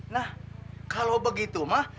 nah kalau begitu mah